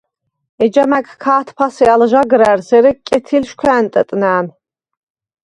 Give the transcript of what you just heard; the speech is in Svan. ეჯამა̈გ ქა̄თფასე ალ ჟაგრა̈რს, ერე კეთილშვ ჟ’ა̈ნტჷტნა̈ნ.